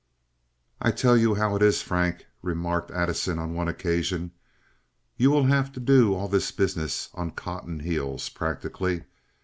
"I tell you how it is, Frank," remarked Addison, on one occasion. "You will have to do all this business on cotton heels, practically.